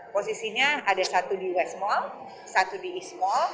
posisinya ada satu di west mall satu di east mall